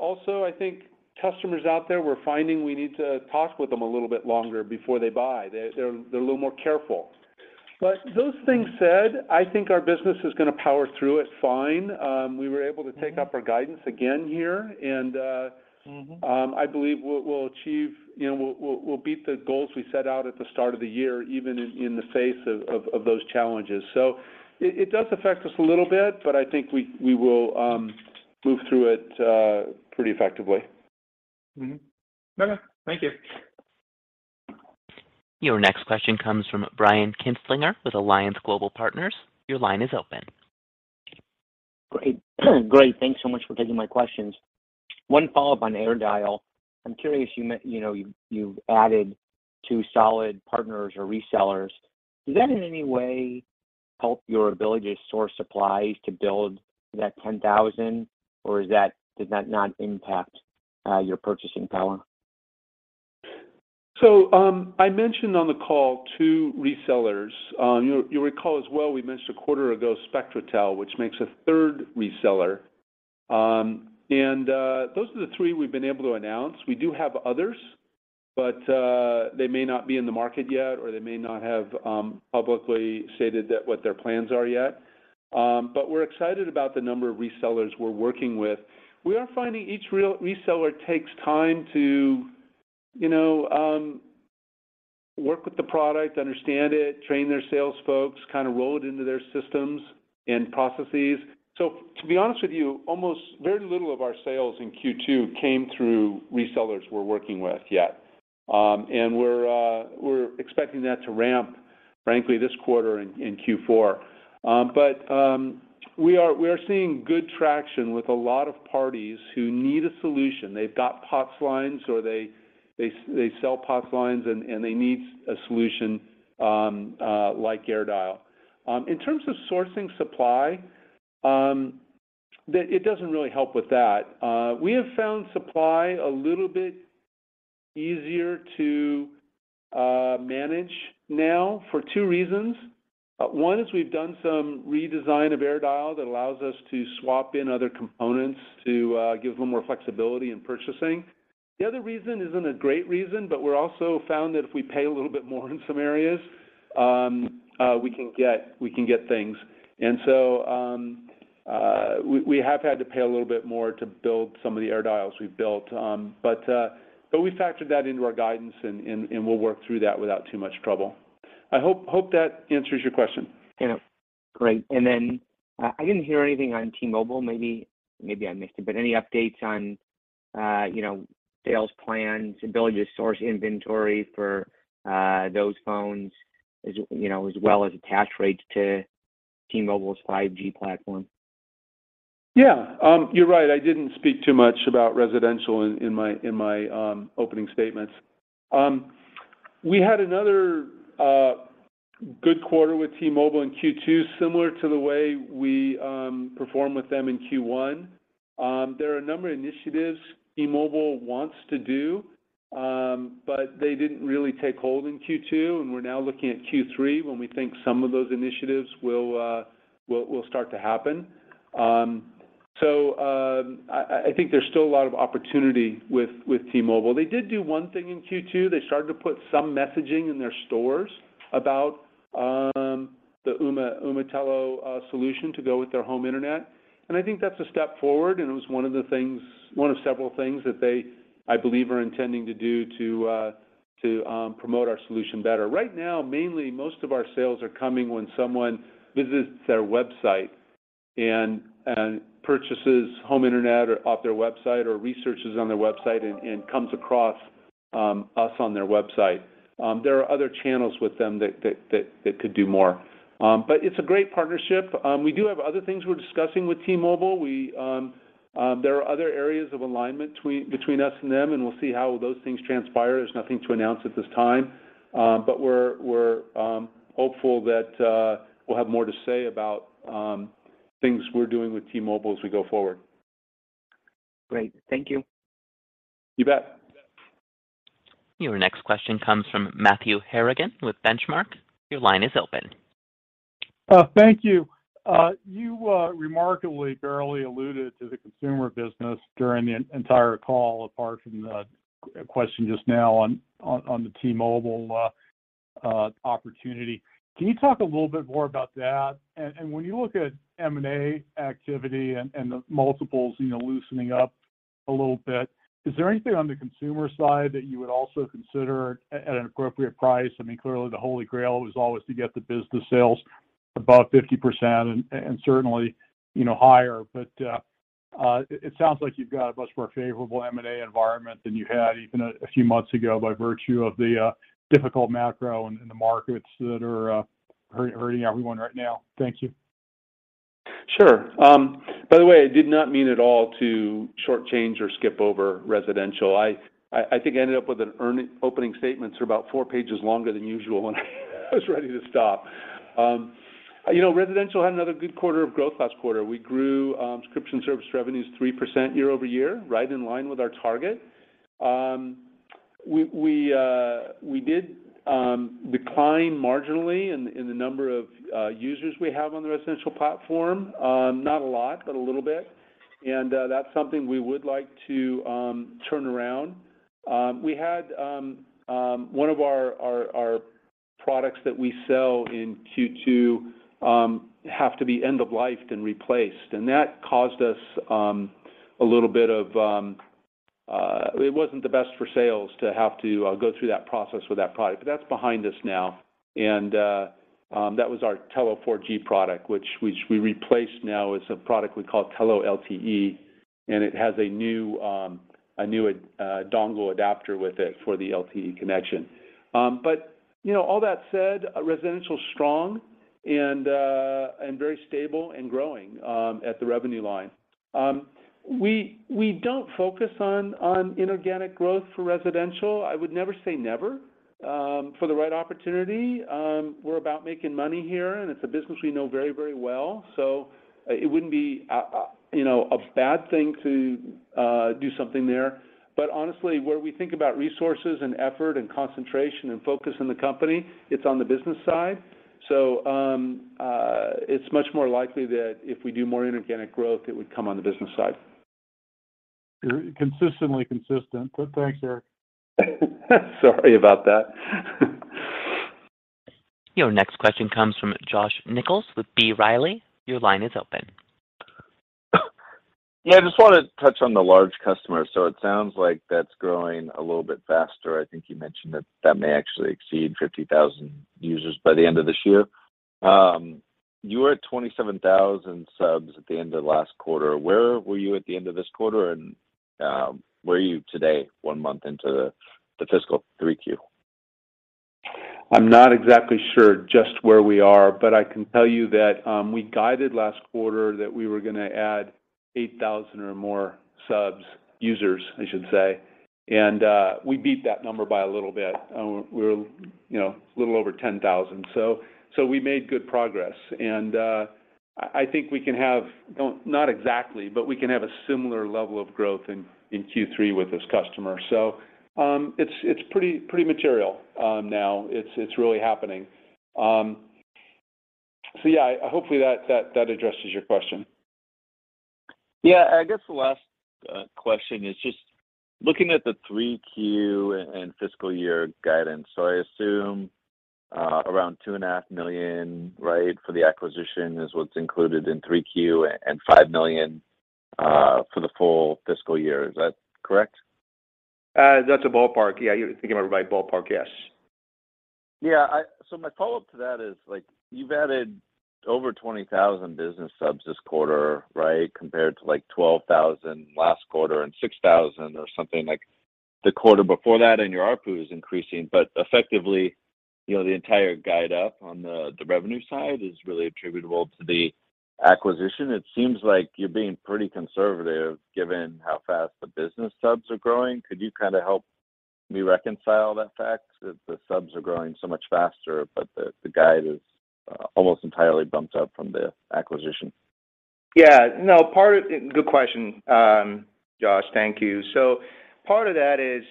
Also, I think customers out there, we're finding we need to talk with them a little bit longer before they buy. They're a little more careful. Those things said, I think our business is gonna power through it fine. We were able to take up our guidance again here, and Mm-hmm I believe we'll achieve. You know, we'll beat the goals we set out at the start of the year, even in the face of those challenges. It does affect us a little bit, but I think we will move through it pretty effectively. Mm-hmm. Okay. Thank you. Your next question comes from Brian Kinstlinger with Alliance Global Partners. Your line is open. Great. Thanks so much for taking my questions. One follow-up on AirDial. I'm curious, you know, you've added two solid partners or resellers. Does that in any way help your ability to source supplies to build that 10,000, or did that not impact your purchasing power? I mentioned on the call two resellers. You'll recall as well, we mentioned a quarter ago Spectrotel, which makes a third reseller. Those are the three we've been able to announce. We do have others, but they may not be in the market yet, or they may not have publicly stated that what their plans are yet. But we're excited about the number of resellers we're working with. We are finding each reseller takes time to, you know, work with the product, understand it, train their sales folks, kind of roll it into their systems and processes. To be honest with you, almost very little of our sales in Q2 came through resellers we're working with yet. And we're expecting that to ramp, frankly, this quarter in Q4. We are seeing good traction with a lot of parties who need a solution. They've got POTS lines, or they sell POTS lines and they need a solution like AirDial. In terms of sourcing supply, it doesn't really help with that. We have found supply a little bit easier to manage now for two reasons. One is we've done some redesign of AirDial that allows us to swap in other components to give them more flexibility in purchasing. The other reason isn't a great reason, but we've also found that if we pay a little bit more in some areas, we can get things. We have had to pay a little bit more to build some of the AirDials we've built. We factored that into our guidance and we'll work through that without too much trouble. I hope that answers your question. Yeah. Great. I didn't hear anything on T-Mobile, maybe I missed it, but any updates on, you know, sales plans, ability to source inventory for, those phones as, you know, as well as attach rates to T-Mobile's 5G platform? Yeah. You're right. I didn't speak too much about residential in my opening statements. We had another good quarter with T-Mobile in Q2, similar to the way we performed with them in Q1. There are a number of initiatives T-Mobile wants to do, but they didn't really take hold in Q2, and we're now looking at Q3 when we think some of those initiatives will start to happen. I think there's still a lot of opportunity with T-Mobile. They did do one thing in Q2. They started to put some messaging in their stores about the Ooma Telo solution to go with their home internet, and I think that's a step forward, and it was one of the things, one of several things that they, I believe, are intending to do to promote our solution better. Right now, mainly most of our sales are coming when someone visits their website and purchases home internet or off their website or researches on their website and comes across us on their website. There are other channels with them that could do more. It's a great partnership. We do have other things we're discussing with T-Mobile. There are other areas of alignment between us and them, and we'll see how those things transpire. There's nothing to announce at this time. We're hopeful that we'll have more to say about things we're doing with T-Mobile as we go forward. Great. Thank you. You bet. Your next question comes from Matthew Harrigan with Benchmark. Your line is open. Thank you. You remarkably barely alluded to the consumer business during the entire call, apart from the question just now on the T-Mobile opportunity. Can you talk a little bit more about that? When you look at M&A activity and the multiples, you know, loosening up a little bit, is there anything on the consumer side that you would also consider at an appropriate price? I mean, clearly the Holy Grail was always to get the business sales above 50% and certainly, you know, higher. It sounds like you've got a much more favorable M&A environment than you had even a few months ago by virtue of the difficult macro in the markets that are hurting everyone right now. Thank you. Sure. By the way, I did not mean at all to shortchange or skip over residential. I think I ended up with opening statements are about four pages longer than usual, and I was ready to stop. You know, residential had another good quarter of growth last quarter. We grew subscription service revenues 3% year-over-year, right in line with our target. We did decline marginally in the number of users we have on the residential platform. Not a lot, but a little bit, and that's something we would like to turn around. We had one of our products that we sell in Q2 have to be end of lifed and replaced, and that caused us a little bit of It wasn't the best for sales to have to go through that process with that product, but that's behind us now. That was our Telo 4G product, which we replaced now. It's a product we call Telo LTE, and it has a new dongle adapter with it for the LTE connection. You know, all that said, residential's strong and very stable and growing at the revenue line. We don't focus on inorganic growth for residential. I would never say never. For the right opportunity, we're about making money here, and it's a business we know very, very well, so it wouldn't be, you know, a bad thing to do something there. Honestly, where we think about resources and effort and concentration and focus in the company, it's on the business side. It's much more likely that if we do more inorganic growth, it would come on the business side. You're consistently consistent, but thanks, Eric. Sorry about that. Your next question comes from Josh Nichols with B. Riley. Your line is open. Yeah, I just want to touch on the large customers. It sounds like that's growing a little bit faster. I think you mentioned that that may actually exceed 50,000 users by the end of this year. You were at 27,000 subs at the end of last quarter. Where were you at the end of this quarter, and where are you today, one month into the fiscal Q3? I'm not exactly sure just where we are, but I can tell you that we guided last quarter that we were gonna add 8,000 or more users, I should say, and we beat that number by a little bit. We're, you know, a little over 10,000. So we made good progress, and I think we can have well, not exactly, but we can have a similar level of growth in Q3 with this customer. So it's pretty material now. It's really happening. So yeah, hopefully that addresses your question. Yeah. I guess the last question is just looking at the Q3 and fiscal year guidance. I assume around $2.5 million, right, for the acquisition is what's included in Q3 and $5 million for the full fiscal year. Is that correct? That's a ballpark. Yeah, you're thinking about it by ballpark. Yes. Yeah. My follow-up to that is, like, you've added over 20,000 business subs this quarter, right? Compared to, like, 12,000 last quarter and 6,000 or something like the quarter before that, and your ARPU is increasing. Effectively, you know, the entire guide up on the revenue side is really attributable to the acquisition. It seems like you're being pretty conservative given how fast the business subs are growing. Could you kind of help me reconcile that fact that the subs are growing so much faster, but the guide is almost entirely bumped up from the acquisition? Yeah. No, good question, Josh. Thank you. Part of that is,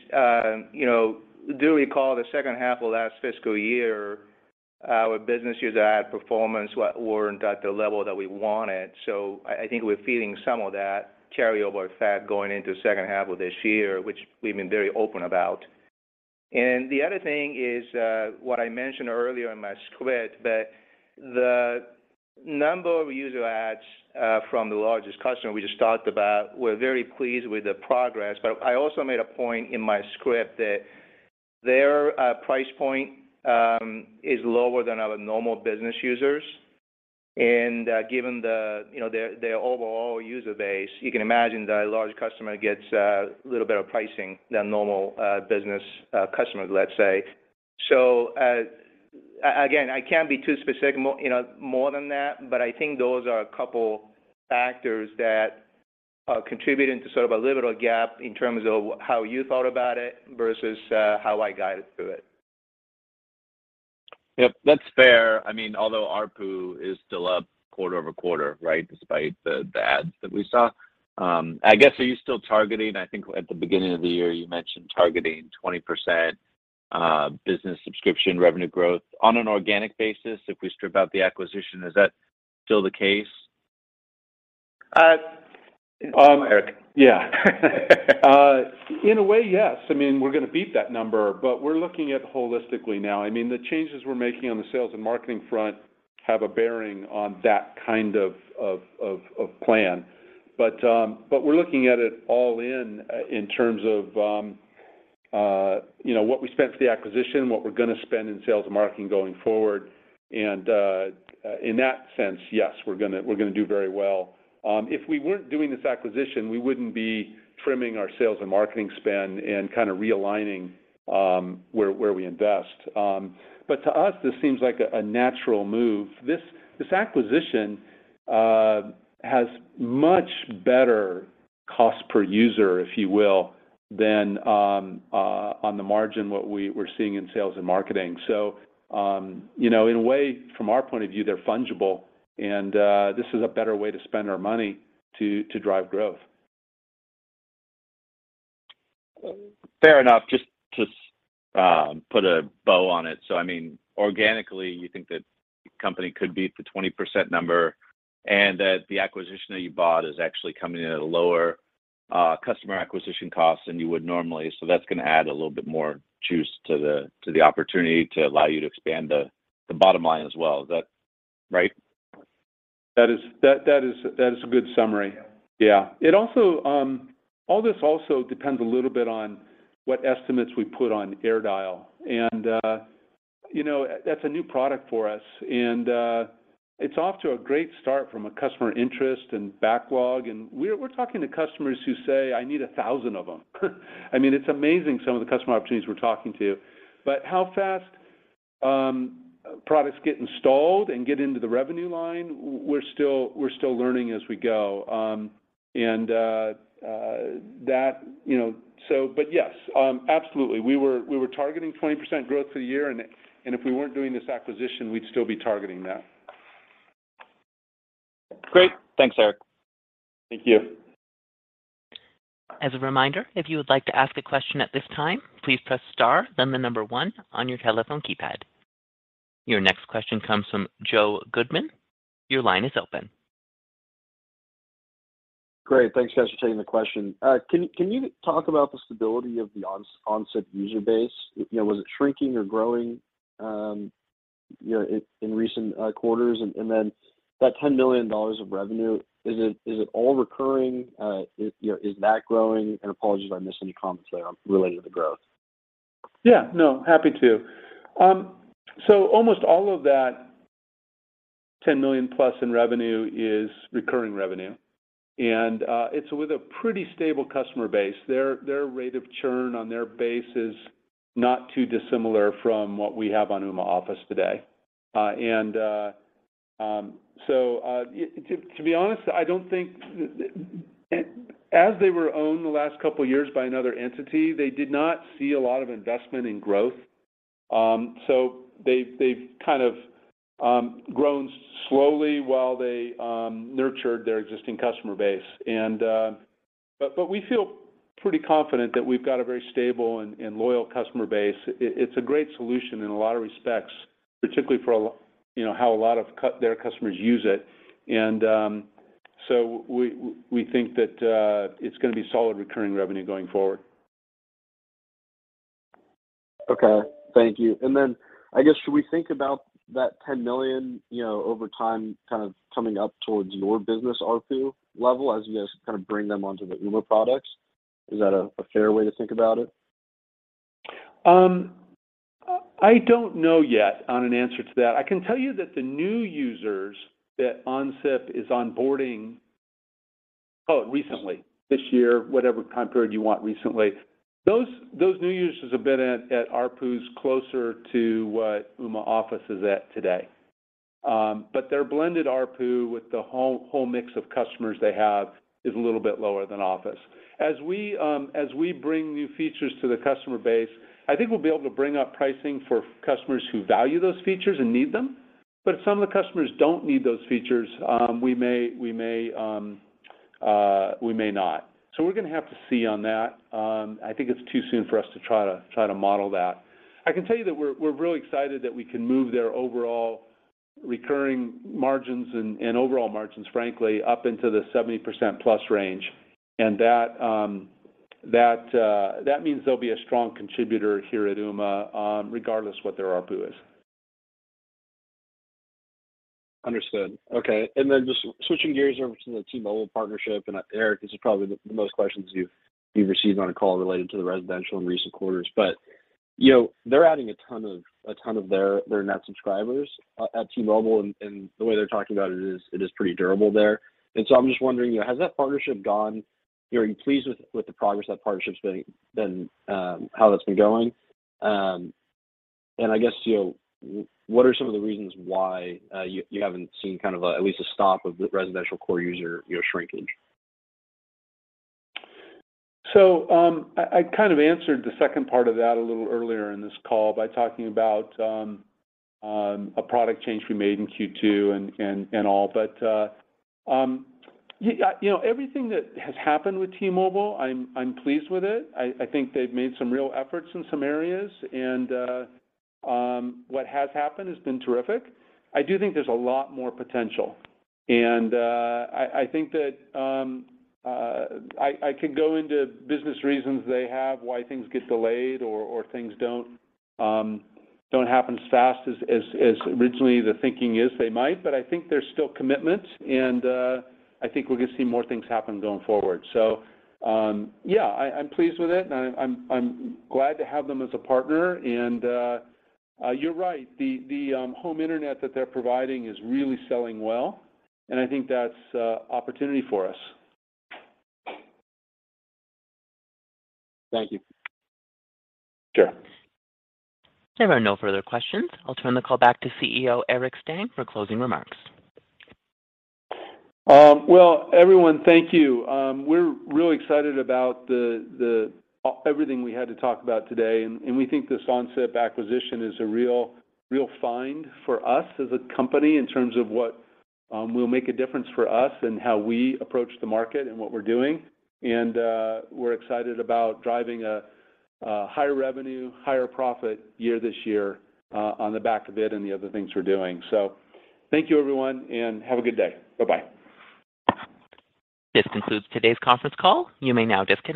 you know, you do recall the second half of last fiscal year, our business user adds performance weren't at the level that we wanted. I think we're feeling some of that carryover effect going into second half of this year, which we've been very open about. The other thing is, what I mentioned earlier in my script, that the number of user adds from the largest customer we just talked about, we're very pleased with the progress. I also made a point in my script that their price point is lower than our normal business users. Given their overall user base, you know, you can imagine that a large customer gets a little better pricing than normal business customers, let's say. Again, I can't be too specific, you know, more than that, but I think those are a couple factors that are contributing to sort of a little gap in terms of how you thought about it versus how I guided through it. Yep, that's fair. I mean, although ARPU is still up quarter over quarter, right? Despite the ads that we saw. I guess, are you still targeting? I think at the beginning of the year, you mentioned targeting 20% business subscription revenue growth on an organic basis if we strip out the acquisition. Is that still the case? Yeah. In a way, yes. I mean, we're gonna beat that number, but we're looking at holistically now. I mean, the changes we're making on the sales and marketing front have a bearing on that kind of plan. We're looking at it all in terms of, you know, what we spent for the acquisition, what we're gonna spend in sales and marketing going forward. In that sense, yes, we're gonna do very well. If we weren't doing this acquisition, we wouldn't be trimming our sales and marketing spend and kind of realigning where we invest. To us, this seems like a natural move. This acquisition has much better cost per user, if you will, than on the margin, what we're seeing in sales and marketing. You know, in a way, from our point of view, they're fungible and this is a better way to spend our money to drive growth. Fair enough. Just to put a bow on it. I mean, organically, you think the company could beat the 20% number, and that the acquisition that you bought is actually coming in at a lower customer acquisition cost than you would normally. That's gonna add a little bit more juice to the opportunity to allow you to expand the bottom line as well. Is that right? That is a good summary. Yeah. All this also depends a little bit on what estimates we put on AirDial. You know, that's a new product for us. It's off to a great start from a customer interest and backlog. We're talking to customers who say, "I need 1,000 of them." I mean, it's amazing some of the customer opportunities we're talking to. How fast products get installed and get into the revenue line, we're still learning as we go. Yes, absolutely. We were targeting 20% growth for the year, and if we weren't doing this acquisition, we'd still be targeting that. Great. Thanks, Eric. Thank you. As a reminder, if you would like to ask a question at this time, please press star, then the number one on your telephone keypad. Your next question comes from Joe Goodwin. Your line is open. Great. Thanks, guys, for taking the question. Can you talk about the stability of the OnSIP user base? You know, was it shrinking or growing, you know, in recent quarters? Then that $10 million of revenue, is it all recurring? You know, is that growing? Apologies if I missed any comments there related to growth. Yeah, no, happy to. So almost all of that $10 million plus in revenue is recurring revenue, and it's with a pretty stable customer base. Their rate of churn on their base is not too dissimilar from what we have on Ooma Office today. To be honest, I don't think. As they were owned the last couple years by another entity, they did not see a lot of investment in growth. So they've kind of grown slowly while they nurtured their existing customer base. But we feel pretty confident that we've got a very stable and loyal customer base. It's a great solution in a lot of respects, particularly for a lot, you know, how a lot of their customers use it. We think that it's gonna be solid recurring revenue going forward. Okay. Thank you. I guess should we think about that $10 million, you know, over time kind of coming up towards your business ARPU level as you guys kind of bring them onto the Ooma products? Is that a fair way to think about it? I don't know yet on an answer to that. I can tell you that the new users that OnSIP is onboarding, call it recently, this year, whatever time period you want recently, those new users have been at ARPUs closer to what Ooma Office is at today. Their blended ARPU with the whole mix of customers they have is a little bit lower than Office. As we bring new features to the customer base, I think we'll be able to bring up pricing for customers who value those features and need them. If some of the customers don't need those features, we may not. We're gonna have to see on that. I think it's too soon for us to try to model that. I can tell you that we're really excited that we can move their overall recurring margins and overall margins, frankly, up into the 70%+ range, and that means they'll be a strong contributor here at Ooma, regardless what their ARPU is. Understood. Okay. Just switching gears over to the T-Mobile partnership, and Eric, this is probably the most questions you've received on a call related to the residential in recent quarters. You know, they're adding a ton of their net subscribers at T-Mobile, and the way they're talking about it is it is pretty durable there. I'm just wondering, you know, has that partnership gone. You know, are you pleased with the progress that partnership's been how that's been going? I guess, you know, what are some of the reasons why you haven't seen kind of a at least a stop of the residential core user, you know, shrinkage? I kind of answered the second part of that a little earlier in this call by talking about a product change we made in Q2 and all. You know, everything that has happened with T-Mobile, I'm pleased with it. I think they've made some real efforts in some areas and what has happened has been terrific. I do think there's a lot more potential. I think that I could go into business reasons they have why things get delayed or things don't happen as fast as originally the thinking is they might, but I think there's still commitment and I think we're gonna see more things happen going forward. Yeah, I'm pleased with it and I'm glad to have them as a partner. You're right, the home internet that they're providing is really selling well, and I think that's opportunity for us. Thank you. Sure. There are no further questions. I'll turn the call back to CEO Eric Stang for closing remarks. Well, everyone, thank you. We're really excited about everything we had to talk about today and we think this OnSIP acquisition is a real find for us as a company in terms of what will make a difference for us and how we approach the market and what we're doing. We're excited about driving a higher revenue, higher profit year this year on the back of it and the other things we're doing. Thank you everyone, and have a good day. Bye-bye. This concludes today's conference call. You may now disconnect.